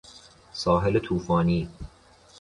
ساحل توفانی